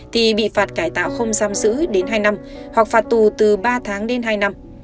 thì bị phạt cải tạo không giam giữ đến hai năm hoặc phạt tù từ ba tháng đến hai năm